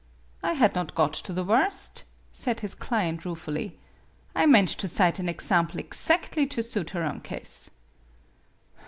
"I had not got to the worst," said his client, ruefully. " I meant to cite an exam ple exactly to suit her own case."